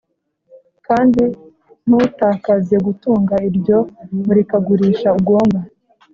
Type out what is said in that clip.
kandi ntutakaze gutunga iryo murikagurisha ugomba;